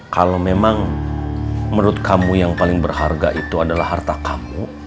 kalau memang menurut kamu yang paling berharga itu adalah harta kamu